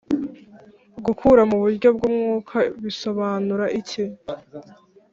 Gukura mu buryo bw umwuka bisobanura iki ?